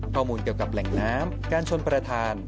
ข้อมูลเกี่ยวกับแหล่งน้ำการชนประธาน